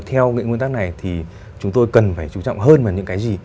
theo những cái nguyên tắc này thì chúng tôi cần phải trung trọng hơn vào những cái gì